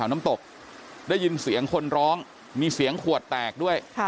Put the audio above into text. น้ำตกได้ยินเสียงคนร้องมีเสียงขวดแตกด้วย